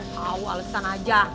tau alesan aja